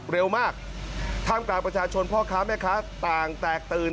เร็วมากท่ามกลางประชาชนพ่อค้าแม่ค้าต่างแตกตื่น